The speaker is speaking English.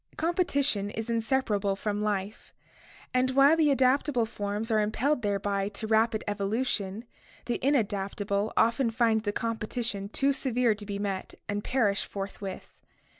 — Competition is inseparable RECAPITULATION, RACIAL OLD AGE 227 from life, and while the adaptable forms are impelled thereby to rapid evolution, the inadaptable often find the competition too severe to be met and perish forthwith.